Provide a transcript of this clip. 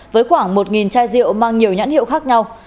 với khoảng một chai rượu mang nhiều nhãn hiệu khác nhau